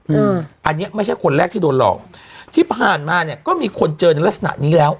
อืมอันเนี้ยไม่ใช่คนแรกที่โดนหลอกที่ผ่านมาเนี้ยก็มีคนเจอในลักษณะนี้แล้ว